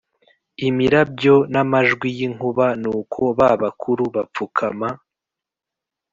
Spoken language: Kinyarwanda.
imirabyo n amajwi y inkuba Nuko ba bakuru bapfukama